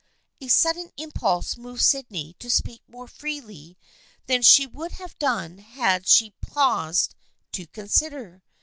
A sudden impulse moved Sydney to speak more freely than she would have done had she paused to consider.